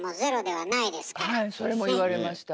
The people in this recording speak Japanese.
はいそれも言われました。